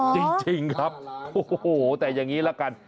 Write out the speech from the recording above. จริงเหรอจริงครับโอ้โหแต่อย่างนี้ละกัน